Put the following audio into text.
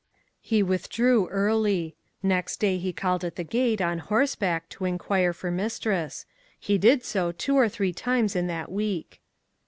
He withdrew early. Next day he called at the gate, on horseback, to inquire for mistress. He did so two or three times in that week.